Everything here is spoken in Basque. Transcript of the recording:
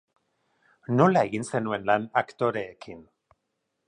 Nola egin zenuen lan aktoreekin?